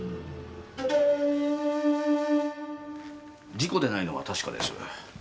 事故でないのは確かです。